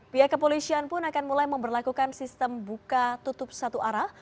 pihak kepolisian pun akan mulai memperlakukan sistem buka tutup satu arah